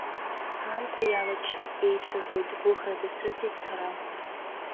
Аамҭа иалаччоит, еиҽырбоит, гәыӷрада сыӡӡеит сара.